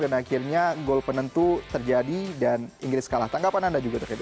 dan akhirnya gol penentu terjadi dan inggris kalah tanggapan anda juga terkira